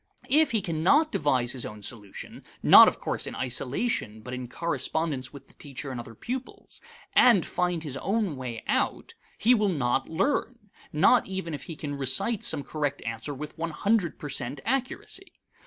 If he cannot devise his own solution (not of course in isolation, but in correspondence with the teacher and other pupils) and find his own way out he will not learn, not even if he can recite some correct answer with one hundred per cent accuracy.